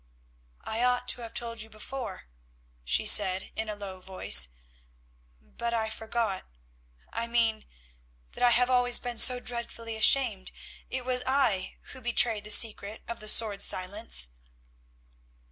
"I ought to have told you before," she said in a low voice, "but I forgot—I mean that I have always been so dreadfully ashamed. It was I who betrayed the secret of the sword Silence."